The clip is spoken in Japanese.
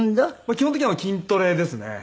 基本的には筋トレですね。